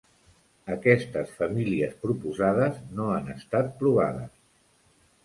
Aquestes famílies proposades no han estat provades.